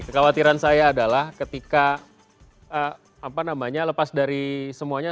kekhawatiran saya adalah ketika lepas dari semuanya